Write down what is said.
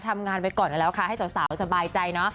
ทำงานไปก่อนแล้วค่ะให้สาวสบายใจเนอะ